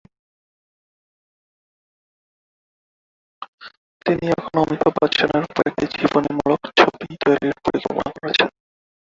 তিনি এখন অমিতাভ বচ্চন-এর উপর একটি জীবনীমূলক ছবি তৈরির পরিকল্পনা করছেন।